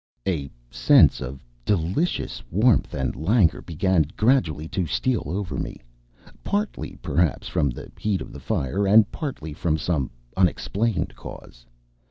A sense of delicious warmth and languor began gradually to steal over me, partly, perhaps, from the heat of the fire, and partly from some unexplained cause.